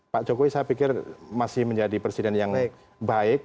pak jokowi saya pikir masih menjadi presiden yang baik